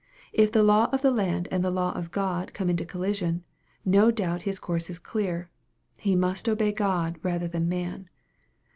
If the law of the land and the law of God come in collision, no doubt his course is clear he must obey God rather than man.